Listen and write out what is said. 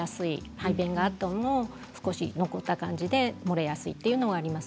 排便のあとも少し残った感じで漏れやすいということがあります。